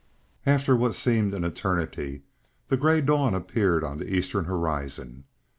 After what seemed an eternity, the gray dawn appeared on the eastern horizon.